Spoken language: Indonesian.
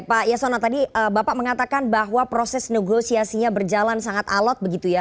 pak yasona tadi bapak mengatakan bahwa proses negosiasinya berjalan sangat alot begitu ya